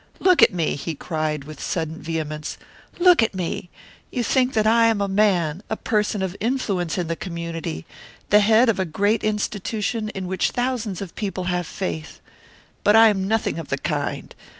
"Look at me!" he cried, with sudden vehemence. "Look at me! You think that I am a man, a person of influence in the community, the head of a great institution in which thousands of people have faith. But I am nothing of the kind.